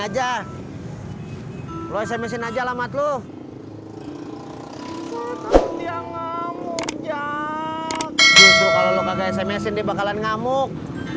jujur kalau lo kagak sms in dia bakalan ngamuk